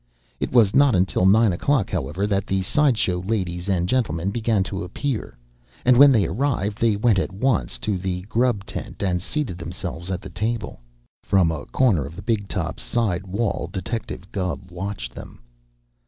It was not until nine o'clock, however, that the side show ladies and gentlemen began to appear, and when they arrived they went at once to the grub tent and seated themselves at the table. From a corner of the "big top's" side wall, Detective Gubb watched them.